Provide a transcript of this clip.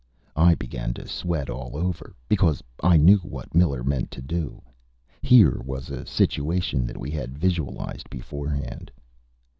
I began to sweat all over, because I knew what Miller meant to do. Here was a situation that we had visualized beforehand.